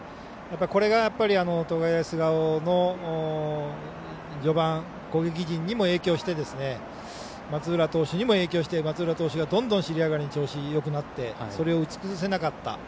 これが、東海大菅生の序盤、攻撃陣にも影響して松浦投手にも影響して松浦投手がどんどん尻上がりに調子がよくなってそれを打ち崩せなかった。